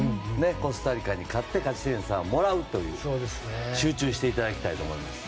コスタリカに勝って勝ち点３をもらうという集中していただきたいと思います。